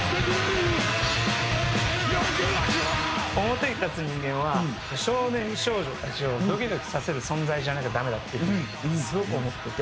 表に立つ人間は少年少女たちをドキドキさせる存在じゃなきゃダメだっていうふうにすごく思ってて。